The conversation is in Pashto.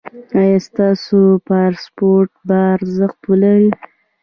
ایا ستاسو پاسپورت به ارزښت ولري؟